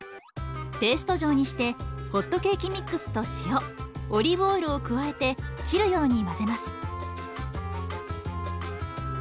ペースト状にしてホットケーキミックスと塩オリーブオイルを加えて切るように混ぜます。